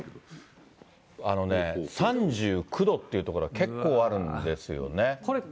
あのね、３９度っていう所が結構あるんですよね。